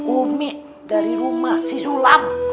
umi dari rumah sisulam